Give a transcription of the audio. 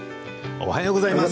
おはようございます。